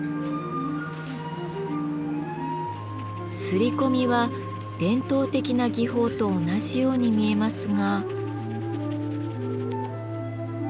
摺り込みは伝統的な技法と同じように見えますが。